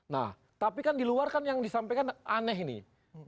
nah tapi kan di luar kan yang disampaikan aneh nih